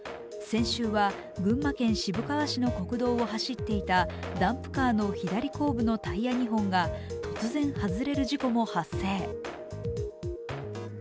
先週は群馬県渋川市の国道を走っていたダンプカーの左後部のタイヤ２本が突然外れる事故も発生。